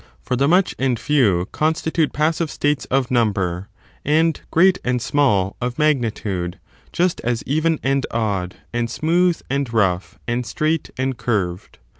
^ For the much and few consti tute passive states of number, and great and small of mag nitude, just as ^yen and odd, and smooth and rough, and straight and curved.